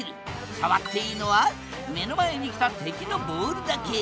触っていいのは目の前に来た敵のボールだけ。